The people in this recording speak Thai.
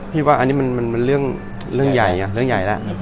พี่ว่าอันนี้มันเรื่องใหญ่อ่ะเรื่องใหญ่นะ